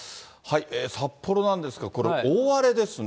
札幌なんですけど、これ、大荒れですね。